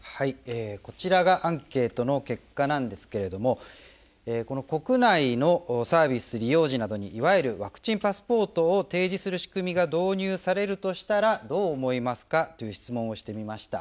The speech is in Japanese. こちらがアンケートの結果なんですけれども国内のサービス利用時などにいわゆるワクチンパスポートを提示する仕組みが導入されるとしたらどう思いますか？という質問をしてみました。